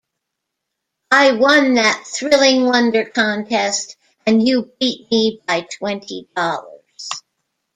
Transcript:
I won that "Thrilling Wonder" contest, and you beat me by twenty dollars.